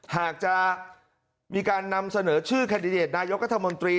หากจะมีการนำเสนอชื่อแคนดิเดตนายกัธมนตรี